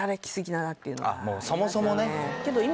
そもそもね。